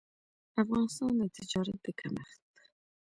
افغانستان د تجارت د کمښت